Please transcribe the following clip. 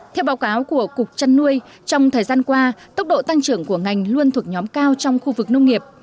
theo báo cáo của cục chăn nuôi trong thời gian qua tốc độ tăng trưởng của ngành luôn thuộc nhóm cao trong khu vực nông nghiệp